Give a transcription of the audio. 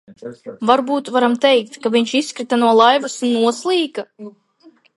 Varbūt varam teikt, ka viņš izkrita no laivas un noslīka?